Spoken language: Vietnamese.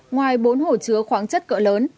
ngoài bốn hồ chứa khoáng chất cỡ lớn